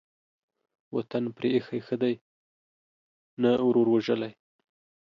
وطن پرې ايښى ښه دى ، نه ورور وژلى.